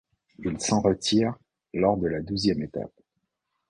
Il s'en retire lors de la douzième étape.